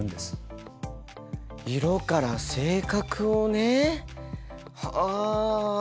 色から性格をねはあ。